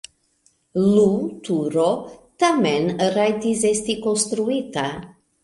Lu turo tamen rajtis esti konstruita.